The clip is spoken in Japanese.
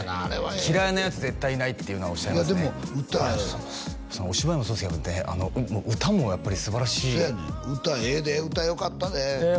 嫌いなやつ絶対いないっていうのはおっしゃいますねありがとうございますお芝居もそうですけどね歌もやっぱり素晴らしいそやねん歌ええで歌よかったでえっ